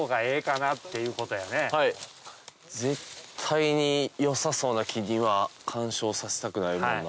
絶対に良さそうな木には干渉させたくないもんな。